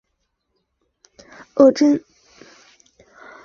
寻擢汉军梅勒额真。